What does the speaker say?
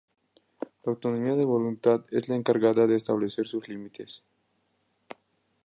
La autonomía de la voluntad es la encargada de establecer sus límites.